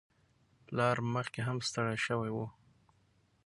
پلار مخکې هم ستړی شوی و.